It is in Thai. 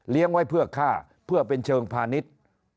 ไว้เพื่อฆ่าเพื่อเป็นเชิงพาณิชย์